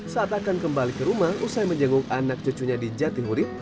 saat akan kembali ke rumah usai menjenguk anak cucunya di jatihurit